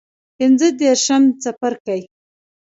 پنځه دیرشم څپرکی